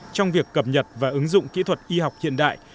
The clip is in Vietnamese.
trong việc cập nhật và ứng dụng kỹ thuật y học hiện đại